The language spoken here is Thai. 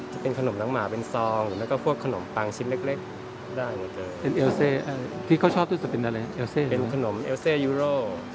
จะเป็นขนมน้องหมาเป็นซองแล้วก็พวกขนมปังชิ้นเล็กได้หมดเลยเป็นเอลเซที่เขาชอบที่สุดเป็นอะไรเอลเซเป็นขนมเอลเซยูโร